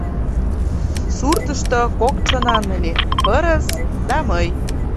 Суртышто кок чонан ыле: пырыс да мый.